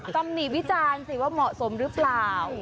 ตำหนิวิจารณ์สิว่าเหมาะสมหรือเปล่า